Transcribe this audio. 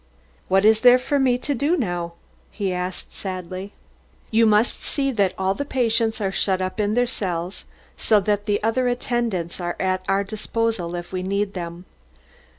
"What is there for me to do now?" he asked sadly. "You must see that all the patients are shut up in their cells so that the other attendants are at our disposal if we need them.